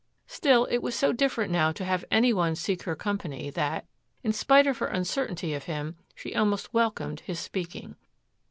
Still, it was so different now to have any one seek her company that, in spite of her uncertainty of him, she almost welcomed his speaking.